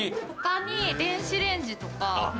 他に電子レンジとか。